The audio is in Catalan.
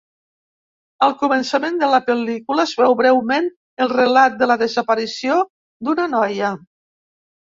Al començament de la pel·lícula es veu breument el relat de la desaparició d'una noia.